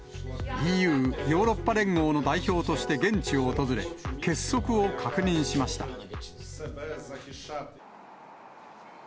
ＥＵ・ヨーロッパ連合の代表として現地を訪れ、結束を確認しました。